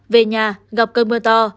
về nhà gặp cơn mưa to